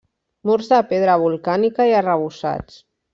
Murs de pedra volcànica i arrebossats.